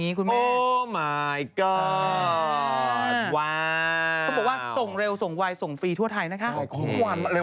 เดี๋ยวสิแกะกันสิช่วยเสกนี่คุณแม่